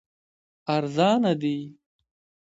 ارزانه دي.